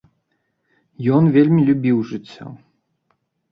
Ён вельмі любіў жыццё.